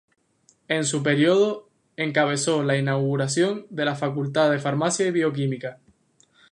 En su período encabezó la inauguración de la Facultad de Farmacia y Bioquímica.